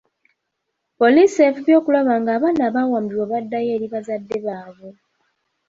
Poliisi efubye okulaba nga abaana abaawambibwa baddayo eri bazadde baabwe.